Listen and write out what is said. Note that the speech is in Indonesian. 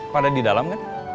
pada di dalam kan